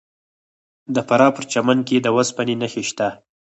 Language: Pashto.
د فراه په پرچمن کې د وسپنې نښې شته.